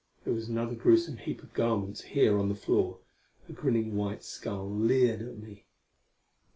There was another gruesome heap of garments here on the floor; a grinning white skull leered at me.